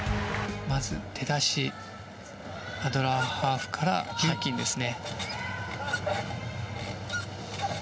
まず出だしアドラーハーフからリューキンですね。